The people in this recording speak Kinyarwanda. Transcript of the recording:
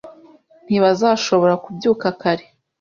Ntibazashobora kubyuka kare